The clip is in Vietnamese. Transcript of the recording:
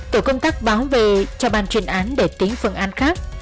tổ công tác báo về cho bàn truyền án để tính phương án khác